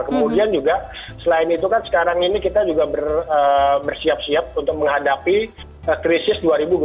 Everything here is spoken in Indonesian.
kemudian juga selain itu kan sekarang ini kita juga bersiap siap untuk menghadapi krisis dua ribu dua puluh